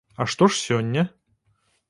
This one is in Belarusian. А што ж сёння?